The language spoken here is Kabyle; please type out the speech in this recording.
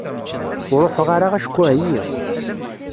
Ur ruḥeɣ ara acku εyiɣ.